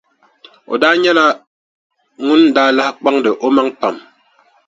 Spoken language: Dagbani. O daa nyɛla ŋun daa lahi kpaŋdi o maŋa pam.